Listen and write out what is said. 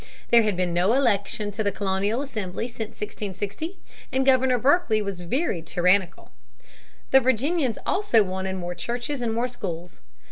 There had been no election to the colonial assembly since 1660 and Governor Berkeley was very tyrannical. The Virginians also wanted more churches and more schools.